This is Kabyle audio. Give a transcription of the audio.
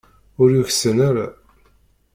Ur yuksan ara.